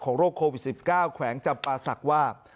โรคโควิด๑๙แขวงจำปาศักดิ์ว่า